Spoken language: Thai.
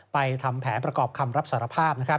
ทำแผนประกอบคำรับสารภาพ